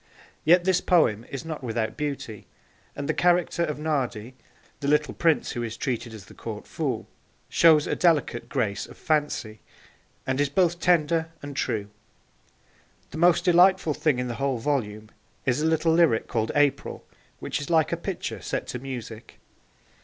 Yet this poem is not without beauty, and the character of Nardi, the little prince who is treated as the Court fool, shows a delicate grace of fancy, and is both tender and true. The most delightful thing in the whole volume is a little lyric called April, which is like a picture set to music.